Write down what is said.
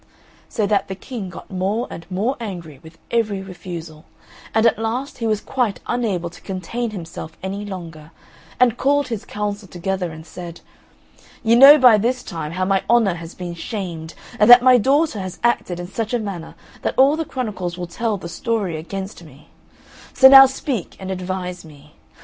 So that the King got more and more angry with every refusal, and at last he was quite unable to contain himself any longer, and called his Council together and said, "You know by this time how my honour has been shamed, and that my daughter has acted in such a manner that all the chronicles will tell the story against me, so now speak and advise me.